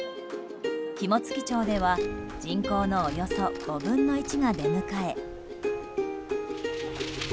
肝付町では人口のおよそ５分の１が出迎え。